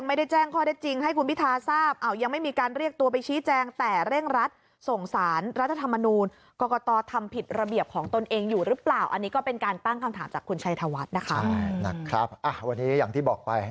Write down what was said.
ไม่ใช่รวบรัฐตับตอแบบนี้